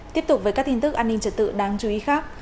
tiếp tục với các tin tức an ninh trật tự đáng chú ý khác